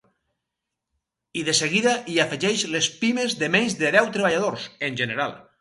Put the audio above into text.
I de seguida hi afegeix les pimes de menys de deu treballadors, en general.